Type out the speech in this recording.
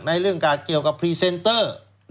เรื่องเกี่ยวกับพรีเซนเตอร์